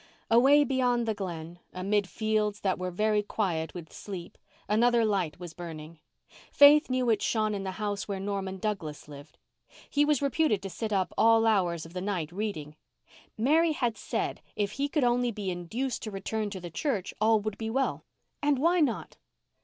Away beyond the Glen, amid fields that were very quiet with sleep, another light was burning. Faith knew it shone in the house where Norman Douglas lived. He was reputed to sit up all hours of the night reading. Mary had said if he could only be induced to return to the church all would be well. And why not?